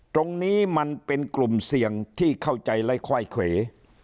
ตรงนี้มันเป็นกลุ่มเสี่ยงที่เข้าใจและค่อยเขว